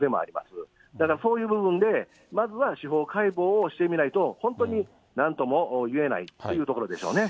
ただそういう部分で、まずは司法解剖をしてみないと、本当になんともいえないというところでしょうね。